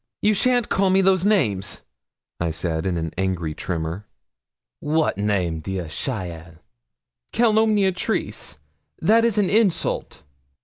'You shan't call me those names,' I said, in an angry tremor. 'What name, dearest cheaile?' 'Calomniatrice that is an insult.'